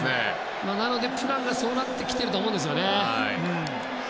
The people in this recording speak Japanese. なので、プランがそうなってきてると思うんですよね。